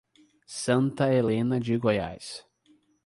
Santa Helena de Goiás